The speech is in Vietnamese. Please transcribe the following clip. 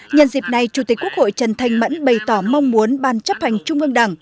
nhân dịp này chủ tịch quốc hội trần thanh mẫn bày tỏ mong muốn ban chấp hành trung ương đảng